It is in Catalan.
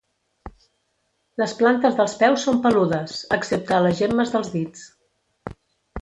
Les plantes dels peus són peludes, excepte a les gemmes dels dits.